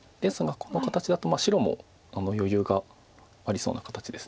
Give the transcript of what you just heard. この形だと白も余裕がありそうな形です。